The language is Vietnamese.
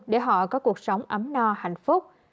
để họ có cuộc sống ấm no hạnh phúc